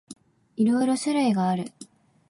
いろいろ種類がある。